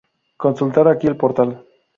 Consultar aquí el portal.